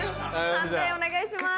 判定お願いします。